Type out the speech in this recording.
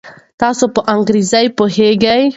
تاسو په انګریزي پوهیږئ؟